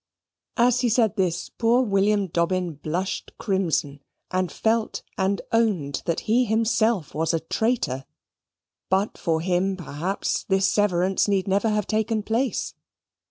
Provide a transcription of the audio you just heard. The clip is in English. As he said this, poor William Dobbin blushed crimson, and felt and owned that he himself was a traitor. But for him, perhaps, this severance need never have taken place.